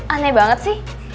aneh banget sih